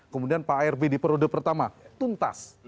kemudian pak arb di periode pertama tuntas